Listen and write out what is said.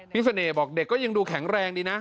เสน่ห์บอกเด็กก็ยังดูแข็งแรงดีนะ